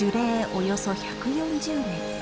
およそ１４０年。